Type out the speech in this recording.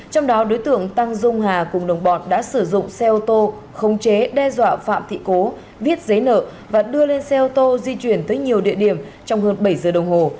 trong đó đối tượng tăng dung hà cùng đồng bọn đã sử dụng xe ô tô không chế đe dọa phạm thị cố viết giấy nợ và đưa lên xe ô tô di chuyển tới nhiều địa điểm trong hơn bảy giờ đồng hồ